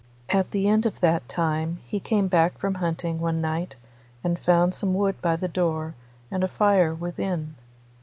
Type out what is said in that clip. At the end of that time he came back from hunting one night and found some wood by the door and a fire within.